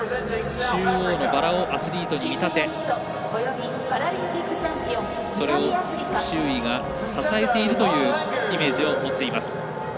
中央のバラをアスリートに見立てそれを周囲が支えているというイメージを持っています。